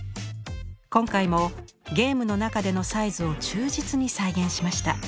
今回もゲームの中でのサイズを忠実に再現しました。